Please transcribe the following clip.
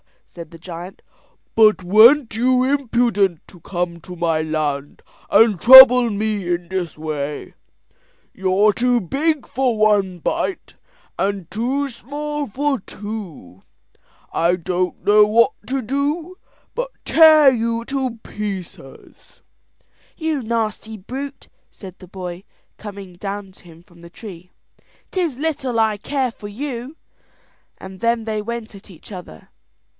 said the giant; "but weren't you impudent to come to my land and trouble me in this way? You're too big for one bite, and too small for two. I don't know what to do but tear you to pieces." "You nasty brute," said the cowboy, coming down to him from the tree, "'tis little I care for you;" and then they went at each other.